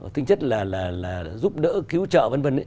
tính chất là giúp đỡ cứu trợ v v